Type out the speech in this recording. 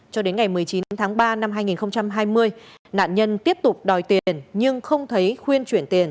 cho đến ngày một mươi chín tháng ba năm hai nghìn hai mươi nạn nhân tiếp tục đòi tiền nhưng không thấy khuyên chuyển tiền